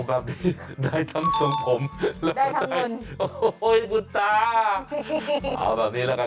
แบบนี้ได้ทำส่งผมได้ทำเงินโอ้โหคุณตาเอาแบบนี้แล้วกัน